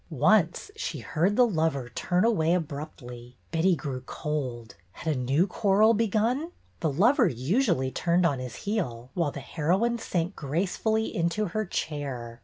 Once she heard the lover turn away abruptly. Betty grew cold. Had a new quarrel begun? The lover usually turned on his heel, while the heroine sank gracefully into her chair.